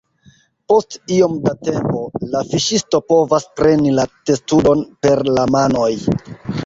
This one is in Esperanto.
Post iom da tempo, la fiŝisto povas preni la testudon per la manoj.